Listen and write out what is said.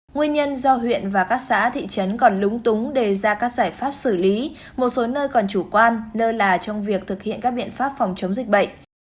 nguyên nhân do huyện và các xã thị trấn còn lúng túng đề ra các giải pháp xử lý một số nơi còn chủ quan lơ là trong việc thực hiện các biện pháp phòng chống dịch bệnh